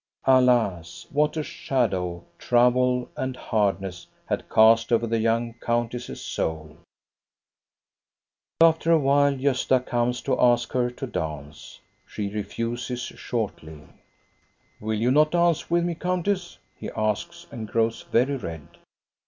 Alas, what a shadow trouble and hardness had cast over the young countess's soul ! After a while Gosta comes to ask her to dance. She refuses shortly. "Will you not dance with me, countess?" he asks, and grows very red.